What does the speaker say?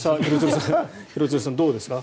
廣津留さん、どうですか？